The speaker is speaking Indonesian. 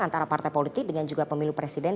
antara partai politik dengan juga pemilu presiden